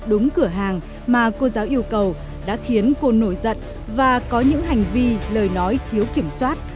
đúng cửa hàng mà cô giáo yêu cầu đã khiến cô nổi giận và có những hành vi lời nói thiếu kiểm soát